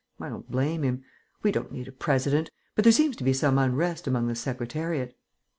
I don't blame him. We don't need a President. But there seems to be some unrest among the Secretariat."